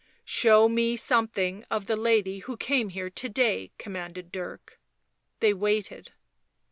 " Show me something of the lady who came here to day," commanded Dirk. They waited.